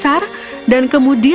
sekarang kamu harus berbuka